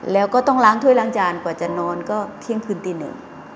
แล้วก็ต้องล้างถ้วยล้างจานกว่าจะนอนก็เที่ยงคืนตีหนึ่ง